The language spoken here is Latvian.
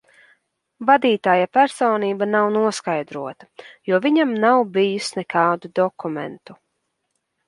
Vadītāja personība nav noskaidrota, jo viņam nav bijis nekādu dokumentu.